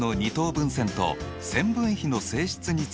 分線と線分比の性質について。